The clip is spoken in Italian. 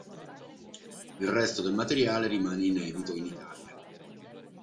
Il resto del materiale rimane inedito in Italia.